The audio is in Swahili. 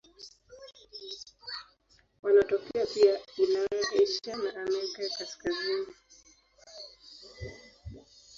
Wanatokea pia Ulaya, Asia na Amerika ya Kaskazini.